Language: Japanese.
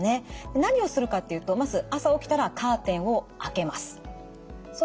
何をするかっていうとまず朝起きたらカーテンをあけます。